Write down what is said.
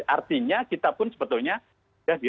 artinya kita pun sebetulnya sudah di